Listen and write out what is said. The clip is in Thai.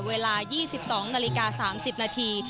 เวลา๒๒นาฬิกา๓๐นาที